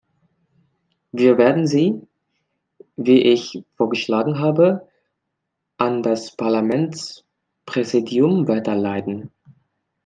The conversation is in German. Wir werden sie, wie ich vorgeschlagen habe, an das Parlamentspräsidium weiterleiten.